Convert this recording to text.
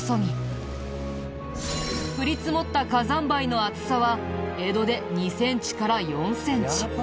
降り積もった火山灰の厚さは江戸で２センチから４センチ。